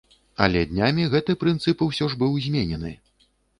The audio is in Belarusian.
Але днямі гэты прынцып усё ж быў зменены.